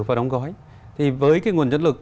và đóng gói với nguồn nhân lực